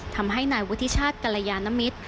ทำให้นายวุฒิชาติกรยานมิตร